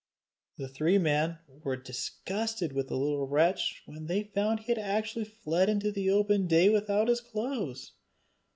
The three men were disgusted with the little wretch when they found that he had actually fled into the open day without his clothes.